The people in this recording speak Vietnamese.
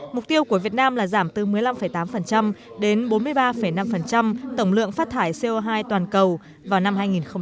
mục tiêu của việt nam là giảm từ một mươi năm tám đến bốn mươi ba năm tổng lượng phát thải co hai toàn cầu vào năm hai nghìn năm mươi